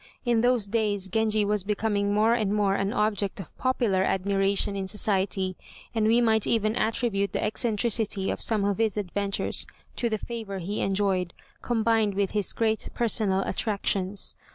In those days Genji was becoming more and more an object of popular admiration in society, and we might even attribute the eccentricity of some of his adventures to the favor he enjoyed, combined with his great personal attractions.